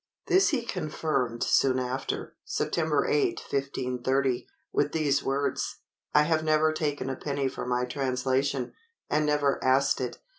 This he confirmed soon after, (Sept. 8, 1530,) with these words, "I have never taken a penny for my translation, and never asked it."